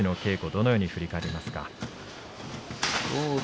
どのように振り返りますか？